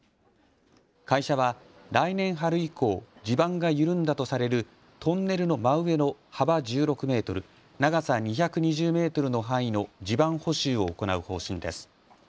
会社は来年春以降、地盤が緩んだとされるトンネルの真上の幅１６メートル、長さ２２０メートルの範囲の地盤補修を行う方針です。